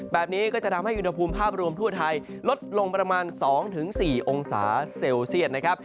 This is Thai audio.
แบบนี้ก็จะทำให้อุณหภูมิภาพรวมทั่วไทยลดลงประมาณ๒๔องศาเซลเซียตนะครับ